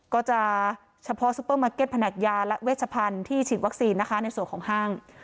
ก็จะเฉพาะซุปเปอร์มาร์เก็ตแผนกยาและเวชพันธุ์ที่ฉีดวัคซีนนะคะในส่วนของห้าง